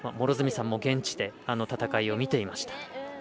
両角さんも現地で戦いを見ていました。